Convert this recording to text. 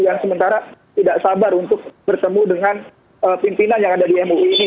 yang sementara tidak sabar untuk bertemu dengan pimpinan yang ada di mui ini